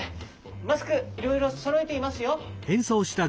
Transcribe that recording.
マスクいろいろそろえていますよ。